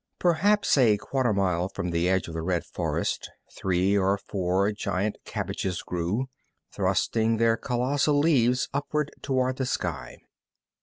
Perhaps a quarter mile from the edge of the red forest three or four giant cabbages grew, thrusting their colossal leaves upward toward the sky.